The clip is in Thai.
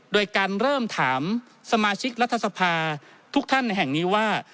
โดยการเริ่มถามสมาชิกรัฐสภาทุกท่านแห่งนี้ว่า